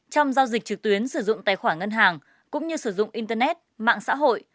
trong giao dịch trực tuyến sử dụng tài khoản ngân hàng cũng như sử dụng internet mạng xã hội